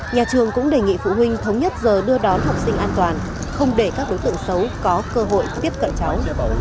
nhà trường cũng đề nghị phụ huynh thống nhất giờ đưa đón học sinh an toàn không để các đối tượng xấu có cơ hội tiếp cận cháu